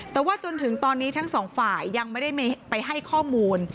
แต่ว่าจนถึงตอนนี้ทั้งสองฝ่ายยังไม่ได้ไปให้ข้อมูล